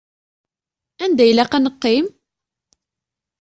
Anda ilaq ad neqqim?